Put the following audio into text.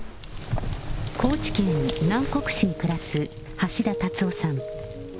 高知県南国市に暮らす橋田達夫さん。